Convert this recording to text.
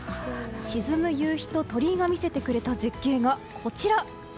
沈む夕日と鳥居が見せてくれた絶景が、こちら。